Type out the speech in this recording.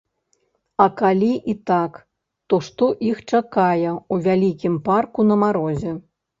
А калі і так, то што іх чакае ў вялікім парку на марозе?